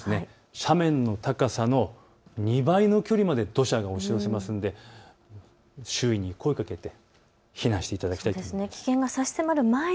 斜面の高さの２倍の距離まで土砂が押し寄せますので周囲に声をかけて避難していただきたいです。